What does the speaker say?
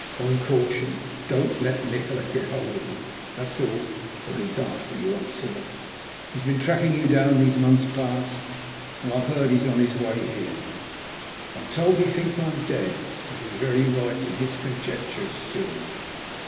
One caution ! Don't let Nikola get hold of it, that's all — for he's after you, I'm certain. He's been tracking you down these months past ; and I've heard he's on his way here. I'm told he thinks I'm dead. He'll be right in his conjecture soon."